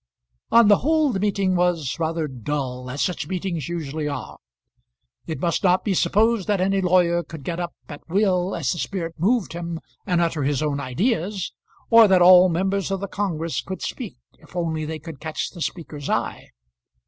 On the whole the meeting was rather dull, as such meetings usually are. It must not be supposed that any lawyer could get up at will, as the spirit moved him, and utter his own ideas; or that all members of the congress could speak if only they could catch the speaker's eye.